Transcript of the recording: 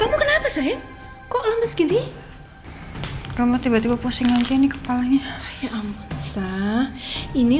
kamu kenapa sayang kok lemes gini kamu tiba tiba pusing aja ini kepalanya ini